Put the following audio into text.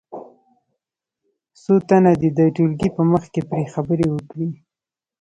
څو تنه دې د ټولګي په مخ کې پرې خبرې وکړي.